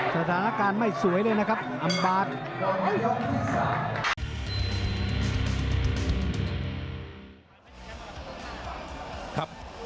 สถานการณ์ไม่สวยเลยนะครับอำบาด